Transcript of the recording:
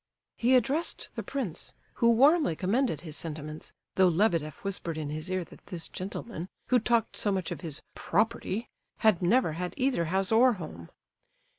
He addressed the prince, who warmly commended his sentiments, though Lebedeff whispered in his ear that this gentleman, who talked so much of his "property," had never had either house or home.